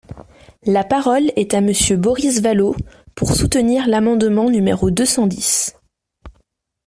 La parole est à Monsieur Boris Vallaud, pour soutenir l’amendement numéro deux cent dix.